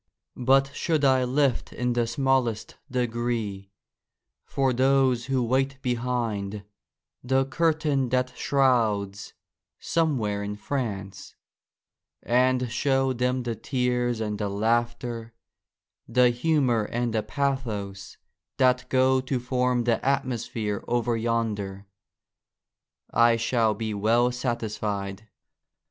vi PREFACE But should I lift in the smallest degree, for those who wait behind, the curtain that shrouds " somewhere in France," and show them the tears and the laughter, the humour and the pathos that go to form the atmosphere over yonder, I shall be well satisfied.